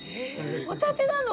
ホタテなの？